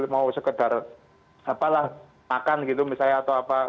mau sekedar apalah makan gitu misalnya atau apa